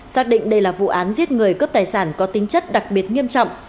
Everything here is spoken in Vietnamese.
xác định đây là vụ án giết người cướp tài sản có tính chất đặc biệt nghiêm trọng